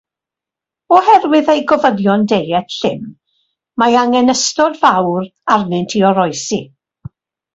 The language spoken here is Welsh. Oherwydd eu gofynion deiet llym, mae angen ystod fawr arnynt i oroesi.